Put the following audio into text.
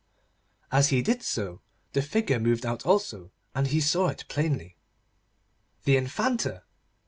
As he did so, the figure moved out also, and he saw it plainly. The Infanta!